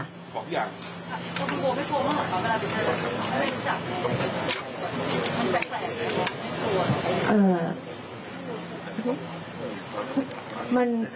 บอกทุกอย่าง